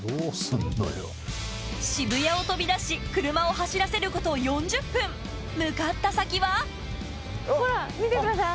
渋谷を飛び出し車を走らせること４０分向かった先はほら見てください